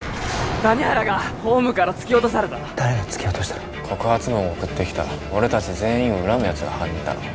・谷原がホームから突き落とされた告発文を送ってきた俺達全員を恨むやつが犯人だろ